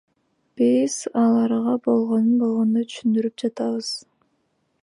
Биз аларга болгонун болгондой түшүндүрүп жатабыз.